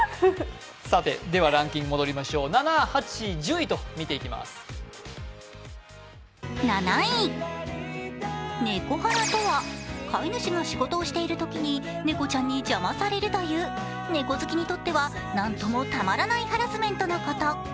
ではランキングに戻りましょう、７、８、１０位と見ていきましょうネコハラとは、飼い主が仕事をしているときに猫ちゃんに邪魔をされるという、猫好きにとっては、何ともたまらないハラスメントのこと。